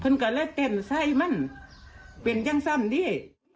เพื่อนกันเลยเต็มใส่มันเป็นยังซ่ำดิ